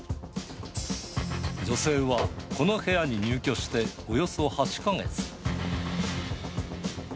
女性は、この部屋に入居しておよそ８か月。